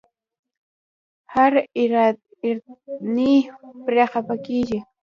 هر اردني پرې خپه کېږي.